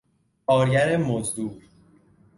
کارگر مزدور